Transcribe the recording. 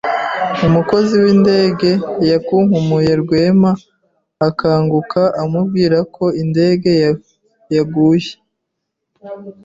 Umukozi windege yakunkumuye Rwema akanguka amubwira ko indege yaguye.